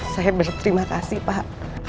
saya berterima kasih pak